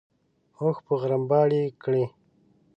اوښ به غرمباړې کړې.